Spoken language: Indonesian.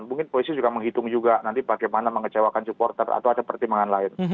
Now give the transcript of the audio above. mungkin polisi juga menghitung juga nanti bagaimana mengecewakan supporter atau ada pertimbangan lain